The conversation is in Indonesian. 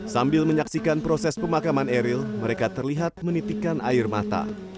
sambil menyaksikan proses pemakaman eril mereka terlihat menitikan air mata